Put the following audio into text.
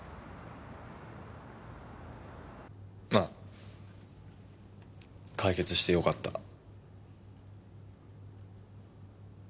まあ解決してよかった。